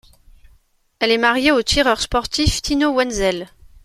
Elle est mariée au tireur sportif Tino Wenzel.